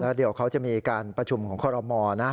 แล้วเดี๋ยวเขาจะมีการประชุมของคนอบหมอนะ